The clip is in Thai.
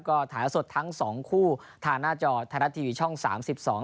ก็ถ่ายละสดทั้ง๒คู่ทางหน้าจอทางหน้าทีวีช่อง๓๒